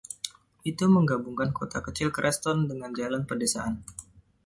Itu menggabungkan kota kecil Creston dengan jalan pedesaan.